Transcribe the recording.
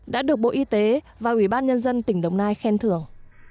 đã được bộ y tế và ủy ban nhân dân tỉnh đồng nai khen thưởng